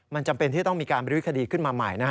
มันจำเป็นที่ต้องมีการบรื้อคดีขึ้นมาใหม่